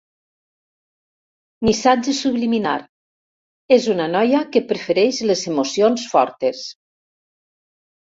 Missatge subliminar: és una noia que prefereix les emocions fortes.